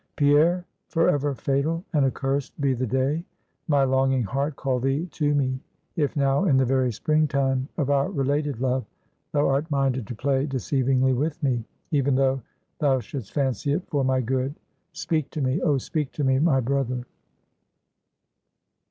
"Pierre, forever fatal and accursed be the day my longing heart called thee to me, if now, in the very spring time of our related love, thou art minded to play deceivingly with me, even though thou should'st fancy it for my good. Speak to me; oh speak to me, my brother!"